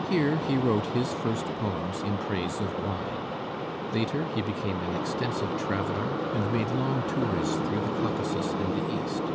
Here he wrote his first poems in praise of wine. Later he became an extensive traveler, and made long tours through the Caucasus and the East.